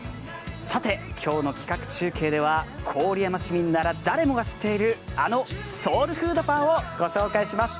さて、今日の企画中継では郡山市民なら誰もが知っているあのソウルフードパンをご紹介します。